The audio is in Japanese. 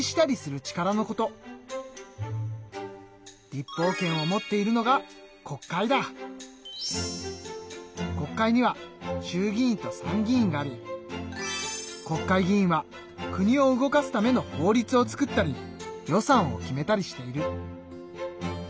立法権を持っているのが国会には衆議院と参議院があり国会議員は国を動かすための法律を作ったり予算を決めたりしている。